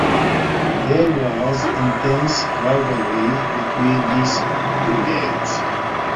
There was intense rivalry between these brigades.